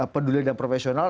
peduli dan profesional